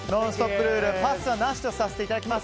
ルールでパスはなしとさせていただきます。